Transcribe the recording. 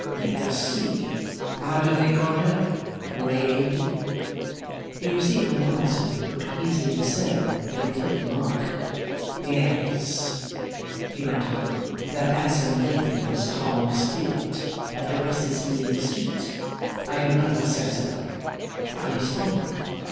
Let us see. How do they call her? Wade.' He received no answer, but could easily discern that he had hit the mark. 'Yes,' he went on, 'that handsome lady and strong spirit addresses me in the street, and I am not insensible. I respond.